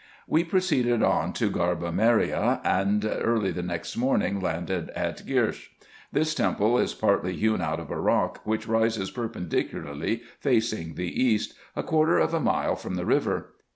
We proceeded on to Garba Merieh, and early the next morn ing landed at Gyrshe. This temple is partly hewn out of a rock, which rises perpendicularly, facing the east, a quarter of a mile from the river.